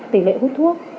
tỷ lệ hút thuốc